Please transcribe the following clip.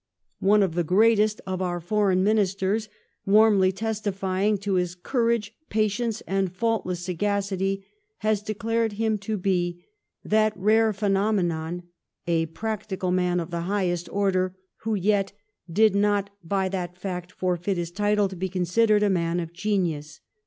^ One of the greatest of our Foreign Ministers, warmly testifying to his " courage, patience, and fault less sagacity," has declared him to be "that rare phenomenon — a practical man of the highest order who yet did not by that fact forfeit his title to be considered a man of genius